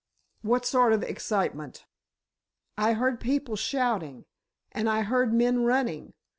"What sort of excitement?" "I heard people shouting, and I heard men running.